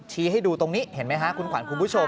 ให้ดูตรงนี้เห็นไหมฮะคุณขวัญคุณผู้ชม